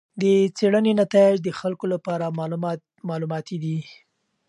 د څېړنې نتایج د خلکو لپاره معلوماتي دي.